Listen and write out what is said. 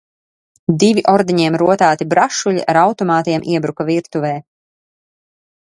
"Divi ordeņiem rotāti "brašuļi" ar automātiem iebruka virtuvē."